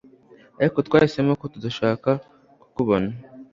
Ariko twahisemo ko dushaka kukubona